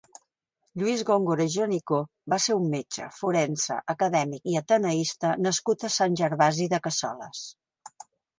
Lluís Góngora i Joanicó va ser un metge, forense, acadèmic i ateneista nascut a Sant Gervasi de Cassoles.